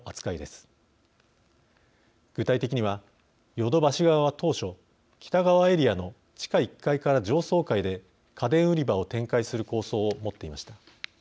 具体的にはヨドバシ側は当初北側エリアの地下１階から上層階で家電売り場を展開する構想を持っていました。